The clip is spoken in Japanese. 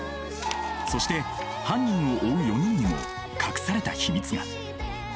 そして犯人を追う４人にも隠された秘密が。